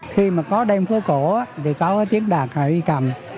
khi mà có đêm phố cổ thì có tiếng đàn hạ uy cầm